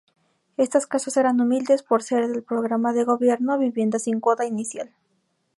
Estas casas eran humildes, por ser del programa de gobierno "viviendas sin cuota inicial".